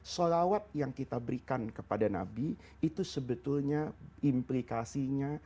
sholawat yang kita berikan kepada nabi itu sebetulnya implikasinya